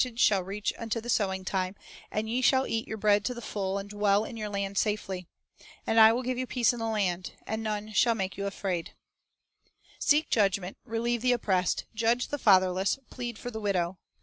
■"' Mai. 3 : 10 12. Business Principles and Methods 141 shall reach unto the sowing time; and ye shall eat your bread to the full, and dwell in your land safely. And I will give peace in the land, ... and none shall make you afraid." 1 "Seek judgment, relieve the oppressed, judge the fatherless, plead for the widow."